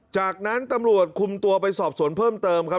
จากนั้นตำรวจคุมตัวไปสอบสวนเพิ่มเติมครับ